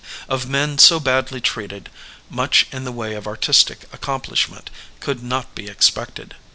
Of men so badly treated much in the way of artistic accomplishment could not be expected.